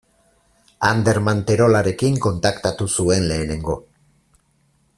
Ander Manterolarekin kontaktatu zuen lehenengo.